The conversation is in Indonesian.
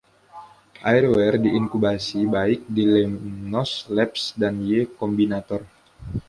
Airware diinkubasi baik di Lemnos Labs dan Y Combinator.